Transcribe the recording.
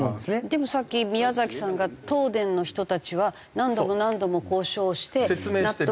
でもさっき宮崎さんが東電の人たちは何度も何度も交渉して納得。